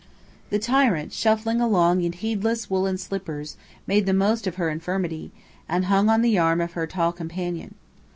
The tyrant, shuffling along in heelless woollen slippers, made the most of her infirmity, and hung on the arm of her tall companion.